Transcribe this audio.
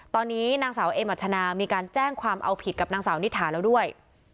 ตอนนี้นางสาวเอมอัชนามีการแจ้งความเอาผิดกับนางสาวนิถาแล้วด้วย